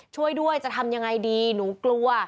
ช่วยด้วยจะทำยังไงดีหนูกลัว